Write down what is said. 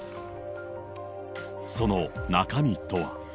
その中身とは。